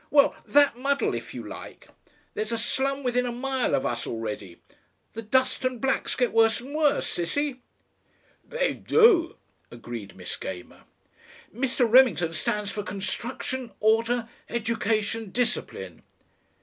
"Well, THAT muddle, if you like! There's a slum within a mile of us already. The dust and blacks get worse and worse, Sissie?" "They do," agreed Miss Gamer. "Mr. Remington stands for construction, order, education, discipline."